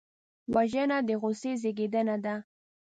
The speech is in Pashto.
وژنه د غصې زېږنده ده